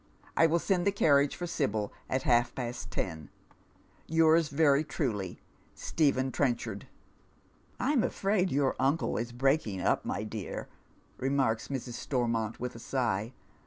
1 will Bend the caniage for Sibyl at half past teru " Yours very truly, " Stephe» Trenchard." I'm afraid your uncle is breaking up, my dear," remarks Mrs. Stormont with a sigh.